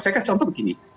saya kira contoh begini